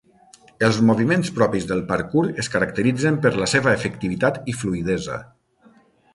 Els moviments propis del parkour es caracteritzen per la seva efectivitat i fluïdesa.